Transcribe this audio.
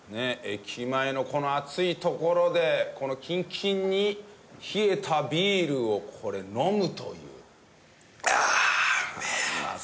駅前のこの暑い所でキンキンに冷えたビールをこれ飲むという。あーっ！